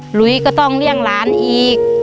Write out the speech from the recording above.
หลุยก็ต้องเลี่ยงหลานอีก